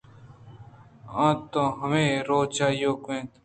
آ توامیں روچ ءَ ایّوک اَت